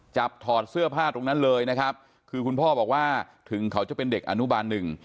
ถอดเสื้อผ้าตรงนั้นเลยนะครับคือคุณพ่อบอกว่าถึงเขาจะเป็นเด็กอนุบาลหนึ่ง